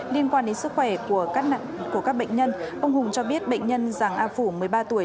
liên quan đến sức khỏe của các bệnh nhân ông hùng cho biết bệnh nhân giàng a phủ một mươi ba tuổi